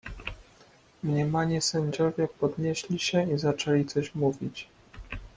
"Mniemani sędziowie podnieśli się i zaczęli coś mówić."